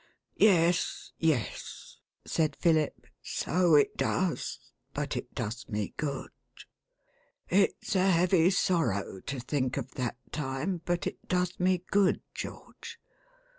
"Yes, yes," said Philip, "so it does; but it does me good. It's a heavy sorrow to think of that time, but it does me good, George.